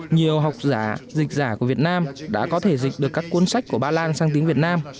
nhiều học giả dịch giả của việt nam đã có thể dịch được các cuốn sách của ba lan sang tiếng việt nam